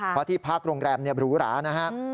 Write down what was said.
เพราะที่พักโรงแรมหรูหรานะฮะ